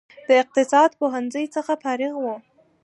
د اقتصاد پوهنځي څخه فارغ و.